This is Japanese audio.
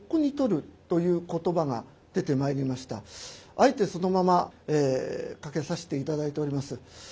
あえてそのままかけさせて頂いております。